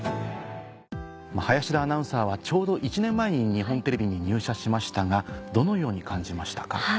林田アナウンサーはちょうど１年前に日本テレビに入社しましたがどのように感じましたか？